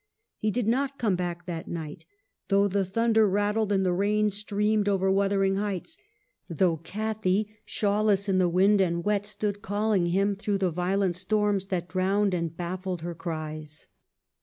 He did not come back that night, though the thunder rattled and the rain streamed over Wuthering Heights ; though Cathy, shawlless in the wind and wet, stood calling him through the violent storms that drowned and baffled her cries.